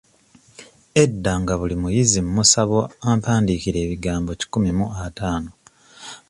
Edda nga buli muyizi mmusaba ampandiikire ebigambo kikumi mu ataano.